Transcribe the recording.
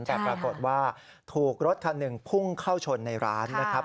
แต่ปรากฏว่าถูกรถคันหนึ่งพุ่งเข้าชนในร้านนะครับ